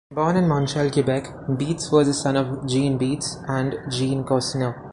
Born in Montreal, Quebec, Beetz was the son of Jean Beetz and Jeanne Cousineau.